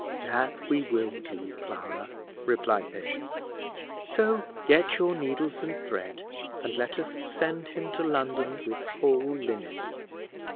"That we will do, Clara;" replied Patience; "so get your needles and thread, and let us send him to London with whole linen.